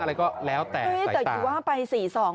อะไรก็แล้วแต่แต่ตั้งแต่อย่างไปสี่สอง